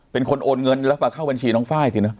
เป็นคนโอนเงินแล้วไปเข้าบัญชีน้องฟ่ายเลยเนอะ